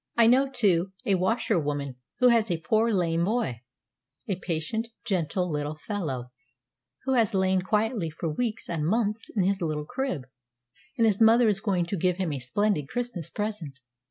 "I know, too, a washerwoman who has a poor, lame boy a patient, gentle little fellow who has lain quietly for weeks and months in his little crib, and his mother is going to give him a splendid Christmas present."